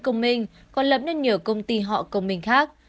công minh còn lập nên nhiều công ty họ công minh khác